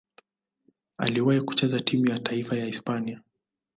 Aliwahi kucheza timu ya taifa ya Hispania.